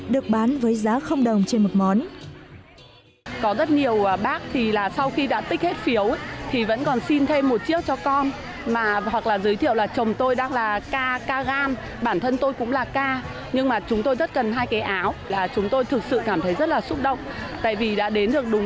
được bán với giá không đồng trên một món